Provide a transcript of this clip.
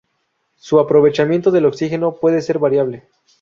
Su aprovechamiento del oxígeno puede ser variable.